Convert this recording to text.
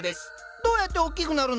どうやっておっきくなるの？